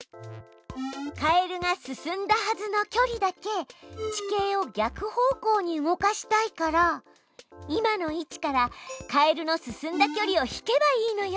カエルが進んだはずの距離だけ地形を逆方向に動かしたいから今の位置からカエルの進んだ距離を引けばいいのよ。